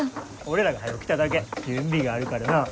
俺らがはよ来ただけ。準備があるからな。